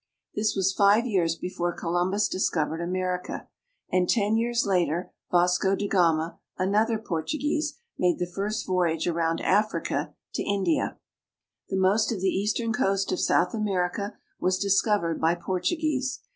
This was five years before Columbus discovered America ; and ten years later Vasco da Gama (ga/ma), another Portuguese, made the first voyage around Africa to India. The most of the eastern coast of South America was discovered by Portuguese.